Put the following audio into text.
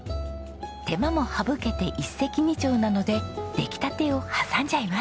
手間も省けて一石二鳥なのでできたてを挟んじゃいます。